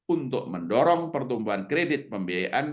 untuk mendorong pertumbuhan kredit pembiayaan